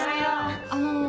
あの。